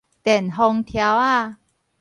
電風柱仔